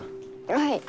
はい？